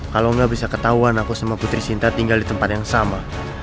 kalau nggak bisa ketahuan aku sama putri sinta tinggal di tempat yang sama